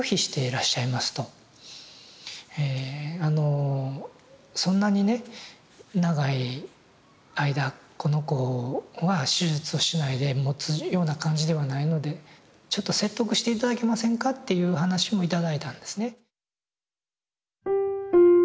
えあのそんなにね長い間この子は手術をしないでもつような感じではないのでちょっと説得して頂けませんかっていう話も頂いたんですね。